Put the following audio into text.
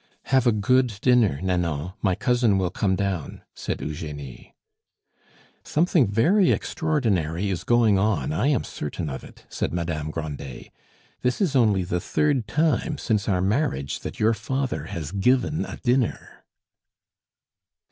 "Have a good dinner, Nanon; my cousin will come down," said Eugenie. "Something very extraordinary is going on, I am certain of it," said Madame Grandet. "This is only the third time since our marriage that your father has given a dinner."